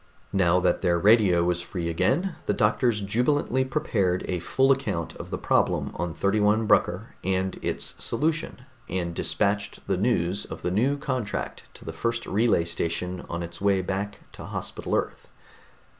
Now that their radio was free again, the three doctors jubilantly prepared a full account of the problem of 31 Brucker and its solution, and dispatched the news of the new contract to the first relay station on its way back to Hospital Earth.